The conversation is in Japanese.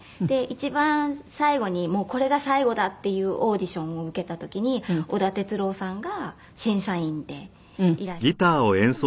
で一番最後にもうこれが最後だっていうオーディションを受けた時に織田哲郎さんが審査員でいらして。